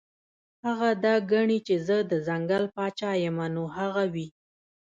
هغه دا ګڼي چې زۀ د ځنګل باچا يمه نو هغه وي -